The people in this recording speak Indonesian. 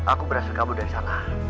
aku berhasil kabur dari sana